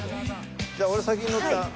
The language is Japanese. じゃあ俺先に乗っちゃう。